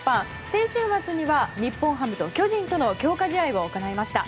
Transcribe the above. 先週末には日本ハムと巨人との強化試合を行いました。